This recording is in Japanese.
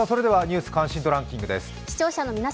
「ニュース関心度ランキング」です。